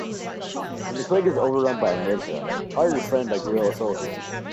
When the clinic is overrun by a militia, Carter is threatened by guerrilla soldiers.